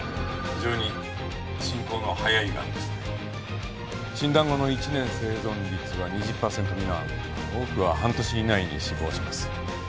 「非常に進行の早いがんでして診断後の１年生存率は２０パーセント未満多くは半年以内に死亡します。